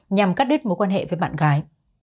nhằm cắt đứt mối quan hệ với bạn gái